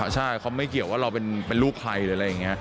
ใช่เขาไม่เกี่ยวว่าเราเป็นลูกใครหรืออะไรอย่างนี้